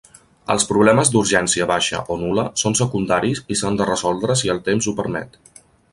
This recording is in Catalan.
Els problemes d'urgència baixa o nul·la són secundaris i s'han de resoldre si el temps ho permet.